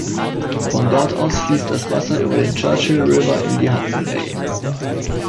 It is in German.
Von dort aus fließt das Wasser über den Churchill River in die Hudson Bay.